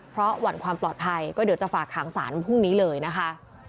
เพราะหวั่นความปลอดภัยก็เดี๋ยวจะฝากขังสารพรุ่งนี้เลยนะคะ